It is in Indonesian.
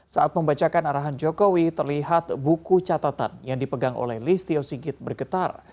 saat membacakan arahan jokowi terlihat buku catatan yang dipegang oleh listio sigit bergetar